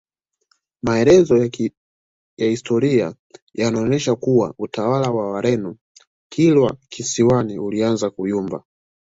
Maelezo ya historia yanaonyesha kuwa utawala wa Wareno Kilwa kisiwani ulianza kuyumba